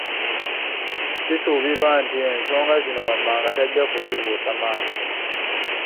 Kisuubirwa nti ensonga zino wammanga tajja kuzibuusa maaso